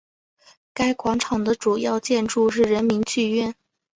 该广场的主要建筑是人民剧院。